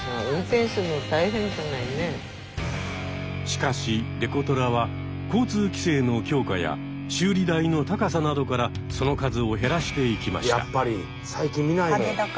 しかしデコトラは交通規制の強化や修理代の高さなどからその数を減らしていきました。